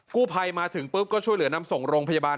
ภัยมาถึงปุ๊บก็ช่วยเหลือนำส่งโรงพยาบาล